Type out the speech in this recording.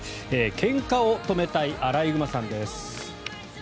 けんかを止めたいアライグマさんです。